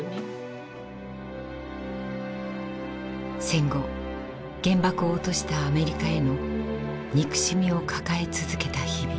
戦後原爆を落としたアメリカへの憎しみを抱え続けた日々。